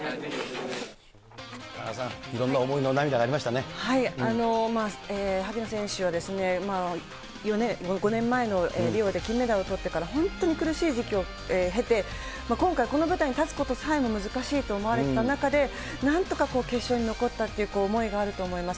いろんな思いの涙がありまし萩野選手はですね、５年前のリオで金メダルをとってから、本当に苦しい時期を経て、今回、この舞台に立つことさえも難しいと思われてた中で、なんとか決勝に残ったっていう思いがあると思います。